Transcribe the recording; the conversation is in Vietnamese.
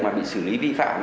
mà bị xử lý vi phạm